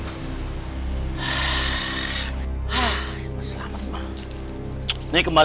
ini kembali ke rumah